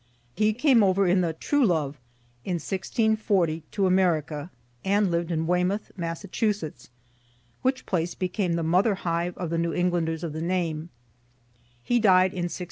He came over in the "True Love" in 1640 to America, and lived in Weymouth, Mass., which place became the mother hive of the New Englanders of the name; he died in 1692.